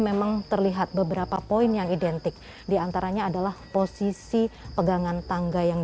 memang terlihat beberapa poin yang identik diantaranya adalah posisi pegangan tangga yang